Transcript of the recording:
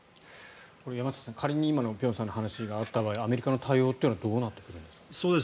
山下さん、仮に今の辺さんの話があった場合アメリカの対応というのはどうなってくるんですか？